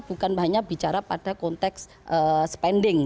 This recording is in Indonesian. bukan hanya bicara pada konteks spending